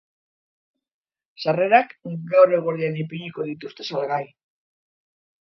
Sarrerak gaur eguerdian ipiniko dituzte salgai.